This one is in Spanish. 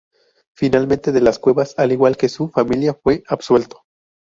Finalmente, De las cuevas al igual que su familia fue absuelto.